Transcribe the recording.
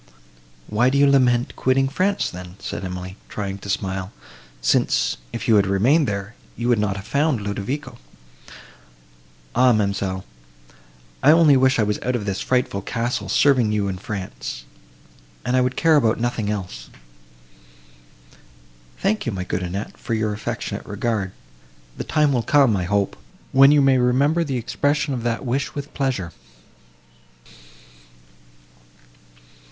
"Why do you lament quitting France, then?" said Emily, trying to smile, "since, if you had remained there, you would not have found Ludovico." "Ah, ma'amselle! I only wish I was out of this frightful castle, serving you in France, and I would care about nothing else!" "Thank you, my good Annette, for your affectionate regard; the time will come, I hope, when you may remember the expression of that wish with pleasure."